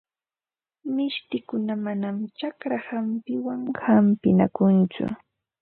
Mishtikuna manam chakra hampiwan hampinakunchu.